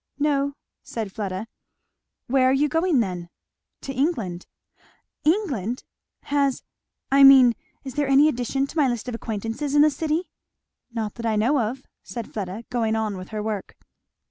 "No," said Fleda. "Where are you going then?" "To England." "England! Has I mean, is there any addition to my list of acquaintances in the city?" "Not that I know of," said Fleda, going on with her work.